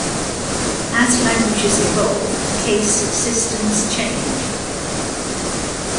As languages evolve, case systems change.